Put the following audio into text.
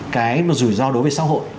cái rủi ro đối với xã hội